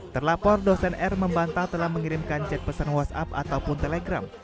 terlapor dosen r membantah telah mengirimkan chat pesan whatsapp ataupun telegram